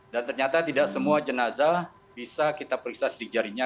dan ternyata tidak semua jenazah bisa kita periksa sidik jarinya